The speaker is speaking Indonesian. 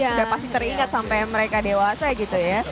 sudah pasti teringat sampai mereka dewasa gitu ya